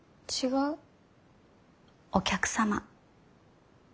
お客様。